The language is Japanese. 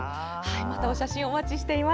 また、お写真お待ちしています。